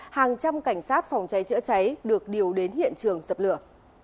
hàng trăm cảnh sát phòng cháy chữa cháy được điều đến hiện trường dập lửa